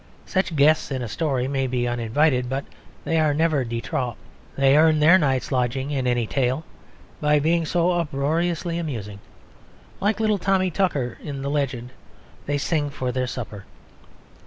Such guests in a story may be uninvited, but they are never de trop. They earn their night's lodging in any tale by being so uproariously amusing; like little Tommy Tucker in the legend, they sing for their supper.